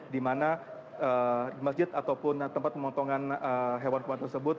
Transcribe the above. di mana masjid ataupun tempat pemotongan hewan hewan tersebut